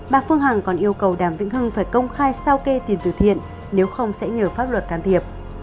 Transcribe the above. bà phương hằng còn yêu cầu đàm vĩnh hưng phải công khai sao kê tiền từ thiện nếu không sẽ nhờ pháp luật can thiệp